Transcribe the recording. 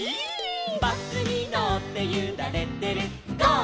「バスにのってゆられてるゴー！